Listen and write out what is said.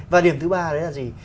và điểm thứ ba là gì